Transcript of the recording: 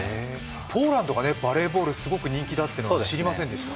ポーランドがバレーボールすごく人気だというのは知りませんでした。